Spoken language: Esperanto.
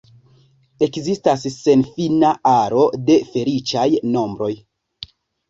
Ekzistas senfina aro da feliĉaj nombroj.